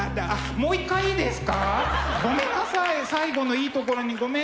もう一回いいですか？